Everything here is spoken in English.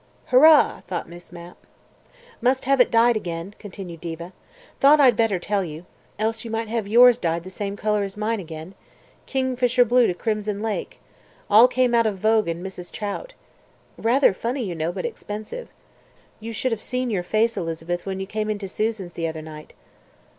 ("Hurrah," thought Miss Mapp.) "Must have it dyed again," continued Diva. "Thought I'd better tell you. Else you might have yours dyed the same colour as mine again. Kingfisher blue to crimson lake. All came out of Vogue and Mrs. Trout. Rather funny, you know, but expensive. You should have seen your face, Elizabeth, when you came in to Susan's the other night."